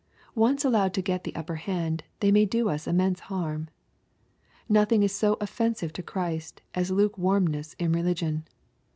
Once allowed to get the upper hand, they may do us immense harm. Nothing is so offensive to Christ as lukewarmness in religion.